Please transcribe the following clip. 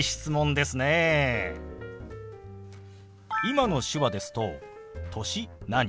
今の手話ですと「歳何？」